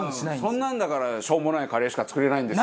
そんなんだからしょうもないカレーしか作れないんですよ。